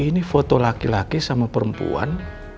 ini foto laki laki sama perempuan